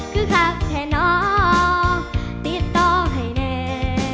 คือคักแค่น้องติดต่อให้แน่